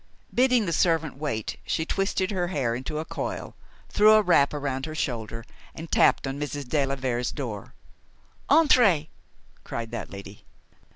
Bidding the servant wait, she twisted her hair into a coil, threw a wrap round her shoulders, and tapped on Mrs. de la Vere's door. "Entrez!" cried that lady.